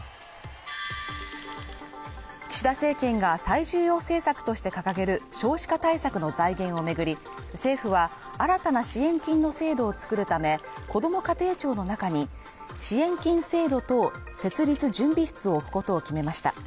岸田政権が最重要政策として掲げる少子化対策の財源を巡り、政府は新たな支援金の制度をつくるため、こども家庭庁の中に支援金制度等設立準備室を置くことを決めました。